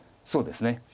そうですね。